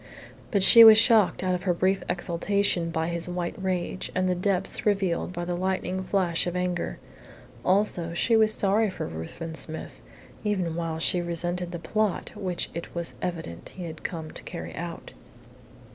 But she was shocked out of her brief exultation by his white rage and the depths revealed by the lightning flash of anger. Also she was sorry for Ruthven Smith, even while she resented the plot which it was evident he had come to carry out.